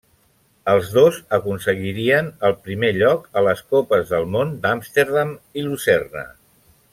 Els dos aconseguirien el primer lloc a les copes del món d'Amsterdam i Lucerna.